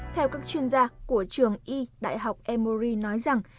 theo các chuyên gia của trường y đại học emory nói rằng